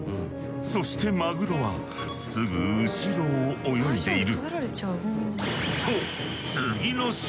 そしてマグロはすぐ後ろを泳いでいる。